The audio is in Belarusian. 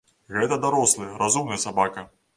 Гэта дарослы, разумны сабака.